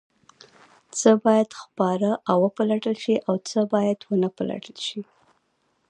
څه باید خپاره او وپلټل شي او څه باید ونه پلټل شي؟